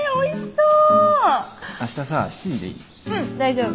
うん大丈夫。